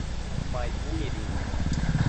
Manhumirim